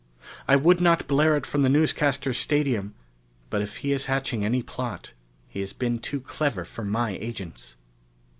I would not blare it from the newscasters' stadium, but if he is hatching any plot, he has been too clever for my agents!"